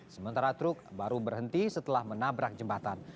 sementara truk baru berhenti setelah menabrak jembatan